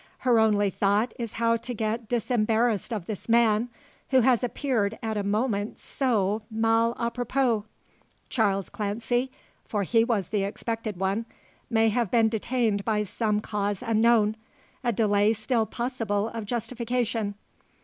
Her only thought is how to get disembarrassed of this man who has appeared at a moment so mal apropos. Charles Clancy for he was the expected one may have been detained by some cause unknown, a delay still possible of justification.